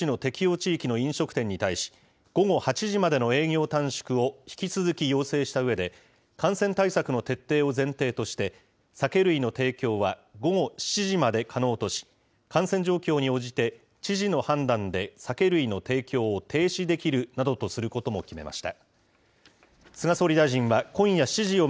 地域の飲食店に対し、午後８時までの営業短縮を引き続き要請したうえで、感染対策の徹底を前提として、酒類の提供は午後７時まで可能とし、感染状況に応じて知事の判断で酒類の提供を停止できるなどとすることも決めました。